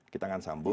kita akan sambung